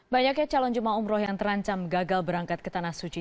banyaknya calon jemaah umroh yang terancam gagal berangkat ke tanah suci